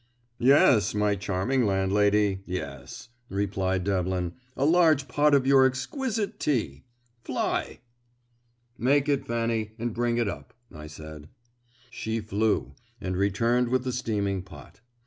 "Yes, my charming landlady, yes," replied Devlin, "A large pot of your exquisite tea. Fly!" "Make it, Fanny, and bring it up," I said. She flew, and returned with the steaming pot.